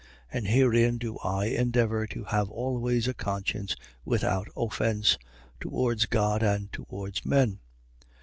24:16. And herein do I endeavour to have always a conscience without offence, towards God and towards men.